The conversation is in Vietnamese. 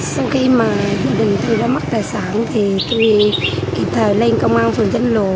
sau khi mà thủ đề tôi đã mất tài sản thì tôi kịp thời lên công an phường tránh lộ